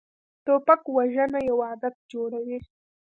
توپک وژنه یو عادت جوړوي.